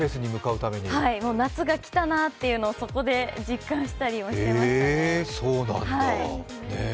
夏が来たなというのをそこで実感したりしてましたね。